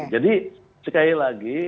jadi sekali lagi